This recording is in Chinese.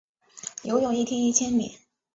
游泳一天一千米